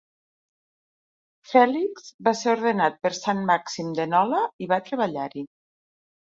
Félix va ser ordenat per Sant Màxim de Nola i va treballar-hi.